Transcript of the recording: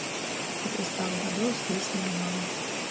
І праз пару гадоў здзейсніла мару.